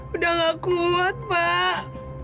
udah gak kuat pak